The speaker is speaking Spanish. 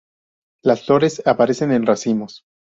Las flores aparecen en racimos.